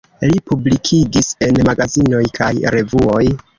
Li publikigis en magazinoj kaj revuoj.